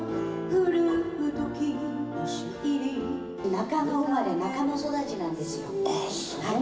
中野生まれ、中野育ちなんであっ、そう。